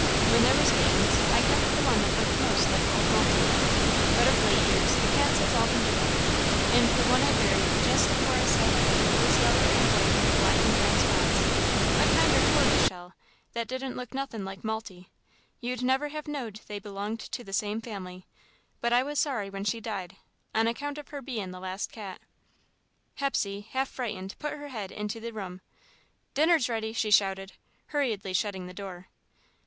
When there was kittens, I kept the one that looked most like old Malty, but of late years, the cats has all been different, and the one I buried jest afore I sailed away was yeller and white with black and brown spots a kinder tortoise shell that didn't look nothin' like Malty. You'd never have knowed they belonged to the same family, but I was sorry when she died, on account of her bein' the last cat." Hepsey, half frightened, put her head into the room. "Dinner's ready," she shouted, hurriedly shutting the door.